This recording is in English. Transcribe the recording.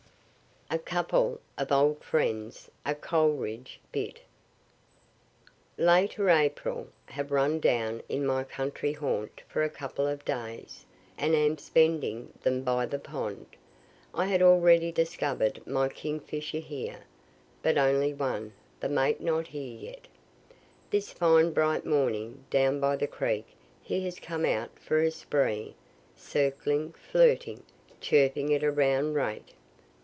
A COUPLE OF OLD FRIENDS A COLERIDGE BIT Latter April. Have run down in my country haunt for a couple of days, and am spending them by the pond. I had already discover'd my kingfisher here (but only one the mate not here yet.) This fine bright morning, down by the creek, he has come out for a spree, circling, flirting, chirping at a round rate.